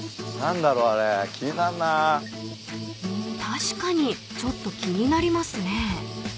［確かにちょっと気になりますね］